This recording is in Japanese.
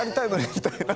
みたいな。